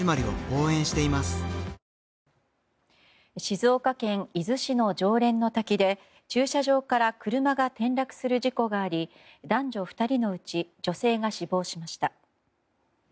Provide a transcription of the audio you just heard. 静岡県伊豆市の浄蓮の滝で駐車場から車が転落する事故があり男女２人のうち女性が死亡しました。